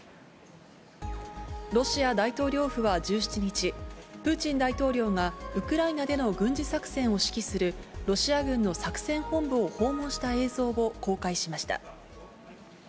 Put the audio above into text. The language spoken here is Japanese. ロシア大統領府は１７日、プーチン大統領がウクライナでの軍事作戦を指揮するロシア軍の作戦本部を訪問した映像を公開しました。